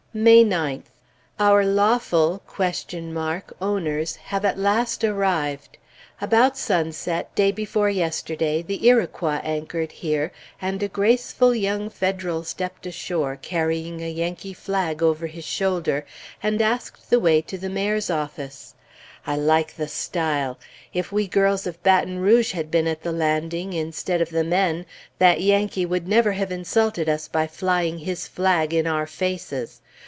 May 9th. Our lawful (?) owners have at last arrived. About sunset, day before yesterday, the Iroquois anchored here, and a graceful young Federal stepped ashore, carrying a Yankee flag over his shoulder, and asked the way to the Mayor's office. I like the style! If we girls of Baton Rouge had been at the landing, instead of the men, that Yankee would never have insulted us by flying his flag in our faces!